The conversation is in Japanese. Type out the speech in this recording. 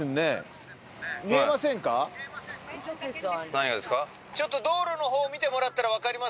何がですか？